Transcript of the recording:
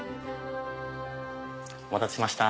お待たせしました。